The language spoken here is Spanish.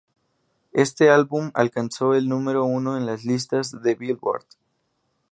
Este álbum alcanzó el número uno en las listas de "Billboard".